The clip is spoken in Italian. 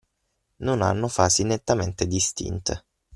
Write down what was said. Non hanno fasi nettamente distinte